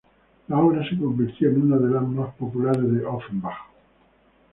La obra se convirtió en una de las más populares de Offenbach.